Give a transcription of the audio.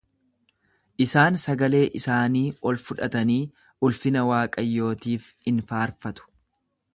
Isaan sagalee isaanii ol fudhatanii ulfina Waaqayyootiif in faarfatu.